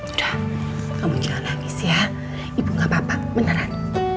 udah kamu jangan nangis ya ibu gak apa apa beneran